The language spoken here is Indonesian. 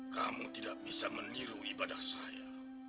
kamu tidak bisa meniru ibadah saya